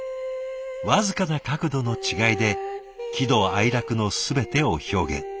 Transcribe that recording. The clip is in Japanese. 僅かな角度の違いで喜怒哀楽の全てを表現。